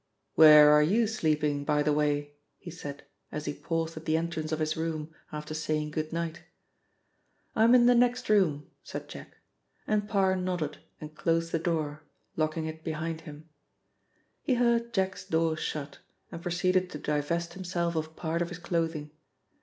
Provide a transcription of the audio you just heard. "Where are you sleeping, by the way?" he said as he paused at the entrance of his room, after saying goodnight. "I'm in the next room," said Jack, and Parr nodded and closed the door, locking it behind him. He heard Jack's door shut, and proceeded to divest himself of part of his clothing.